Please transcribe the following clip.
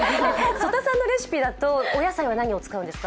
曽田さんのレシピだとお野菜は何を使うんですか？